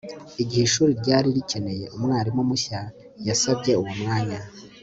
igihe ishuri ryari rikeneye umwarimu mushya, yasabye uwo mwanya